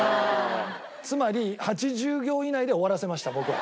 つまり８０行以内で終わらせました僕は。